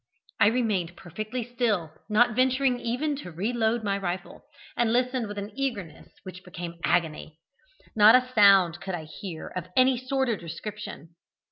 "I remained perfectly still, not venturing even to reload my rifle, and listened with an eagerness which became agony. Not a sound could I hear of any sort or description.